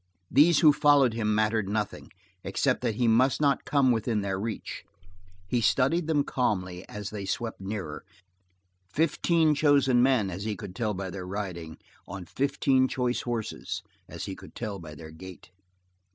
These who followed him mattered nothing except that he must not come within their reach. He studied them calmly as they swept nearer, fifteen chosen men as he could tell by their riding, on fifteen choice horses as he could tell by their gait.